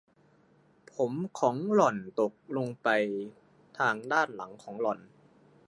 ผมของหล่อนตกลงไปทางด้านหลังของหล่อน